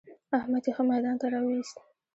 احمد يې ښه ميدان ته را ويوست.